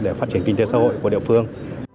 để phát triển kinh tế xã hội của địa phương